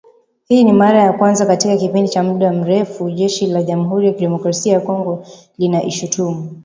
Hii ni mara ya kwanza katika kipindi cha muda mrefu Jeshi la Jamuhuri ya Demokrasia ya Kongo linaishutumu